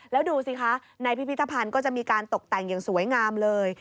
แล้วดูสิคะในพิพิธภัณฑ์ก็จะมีการตกแต่งอย่างสวยงามเลย